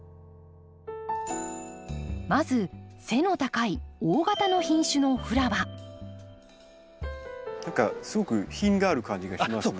まず背の高い大型の品種の何かすごく品がある感じがしますね。